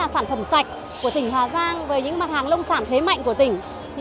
sản phẩm sạch của tỉnh hà giang với những mặt hàng nông sản thế mạnh của tỉnh